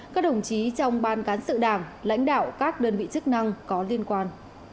các đồng chí trong ban cán sự đảng lãnh đạo các đơn vị chức năng có liên quan